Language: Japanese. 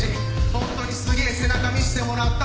ホントにすげえ背中見してもらった